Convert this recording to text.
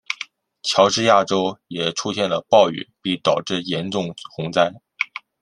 乔治亚州也出现了暴雨并导致严重洪灾。